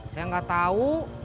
saya gak tahu